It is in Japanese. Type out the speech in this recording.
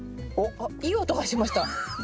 あっいい音がしました。